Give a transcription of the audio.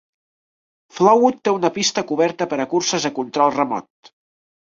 Flowood té una pista coberta per a curses de control remot.